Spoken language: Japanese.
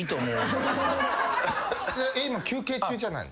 今休憩中じゃないの？